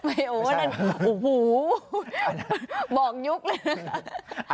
โอ้โฮอันนั้นบอกยุคเลยนะคะ